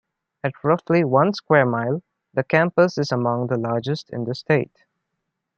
At roughly one square mile, the campus is among the largest in the state.